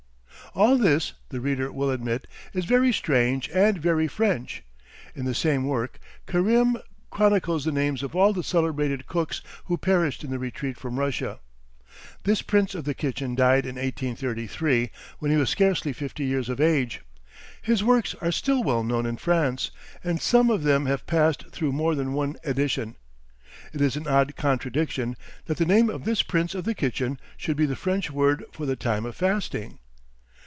All this, the reader will admit, is very strange and very French. In the same work, Carème chronicles the names of all the celebrated cooks who perished in the retreat from Russia. This prince of the kitchen died in 1833, when he was scarcely fifty years of age. His works are still well known in France, and some of them have passed through more than one edition. It is an odd contradiction, that the name of this prince of the kitchen should be the French word for the time of fasting.